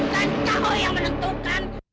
bukan kau yang menentukan